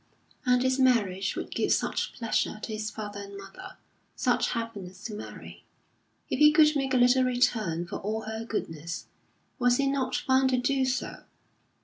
And his marriage would give such pleasure to his father and mother, such happiness to Mary. If he could make a little return for all her goodness, was he not bound to do so?